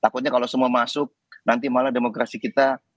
takutnya kalau semua masuk nanti malah demokrasi kita